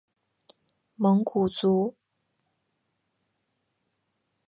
蒙古族。